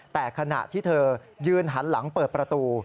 แต่ขณะที่เธอยืนหันหลังเปิดประตู